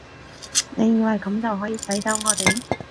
你以為噉就可以使走我哋？